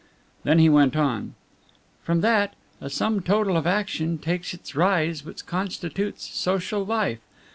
Then he went on: "From that, a sum total of action takes its rise which constitutes social life.